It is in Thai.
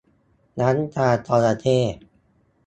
น้ำตาจระเข้